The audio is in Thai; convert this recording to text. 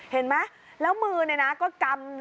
เห็นมั้ยแล้วมือก็กำ